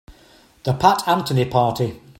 The Pat Anthony Party.